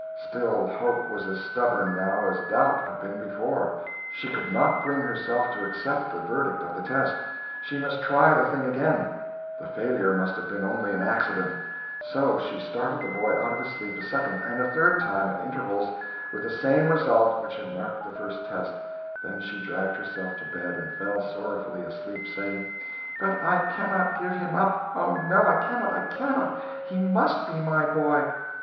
Still, hope was as stubborn now as doubt had been before; she could not bring herself to accept the verdict of the test; she must try the thing again the failure must have been only an accident; so she startled the boy out of his sleep a second and a third time, at intervals with the same result which had marked the first test; then she dragged herself to bed, and fell sorrowfully asleep, saying, "But I cannot give him up oh no, I cannot, I cannot he must be my boy!"